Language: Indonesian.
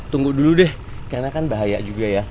tunggu dulu deh karena kan bahaya juga ya